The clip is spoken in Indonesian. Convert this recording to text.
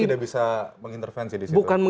tidak bisa mengintervensi di situ